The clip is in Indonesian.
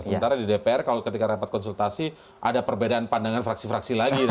sementara di dpr kalau ketika rapat konsultasi ada perbedaan pandangan fraksi fraksi lagi